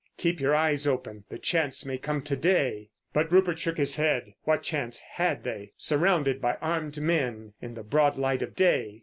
"Keep your eyes open, the chance may come to day." But Rupert shook his head. What chance had they, surrounded by armed men, in the broad light of day?